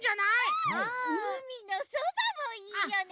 うみのそばもいいよね。